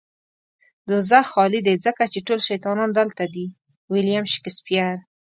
دوزخ خالی دی ځکه چې ټول شيطانان دلته دي. ويلييم شکسپير